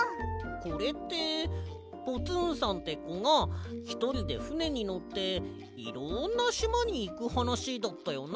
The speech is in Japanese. これってポツンさんってこがひとりでふねにのっていろんなしまにいくはなしだったよな。